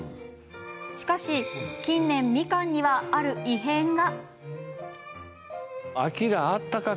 しかし近年みかんにはある異変が。